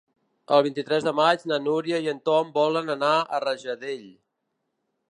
El vint-i-tres de maig na Núria i en Tom volen anar a Rajadell.